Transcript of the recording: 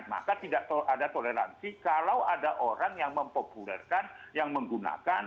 maka tidak ada toleransi kalau ada orang yang mempopulerkan yang menggunakan